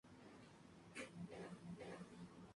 Es una manera de reducir el tamaño del fichero resultante.